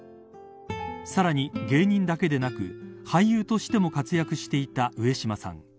さらに芸人だけでなく俳優としても活躍していた上島さん。